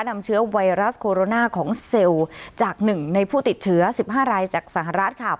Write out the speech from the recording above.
นำเชื้อไวรัสโคโรนาของเซลล์จาก๑ในผู้ติดเชื้อ๑๕รายจากสหรัฐค่ะ